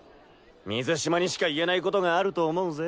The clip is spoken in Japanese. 水嶋にしか言えないことがあると思うぜ。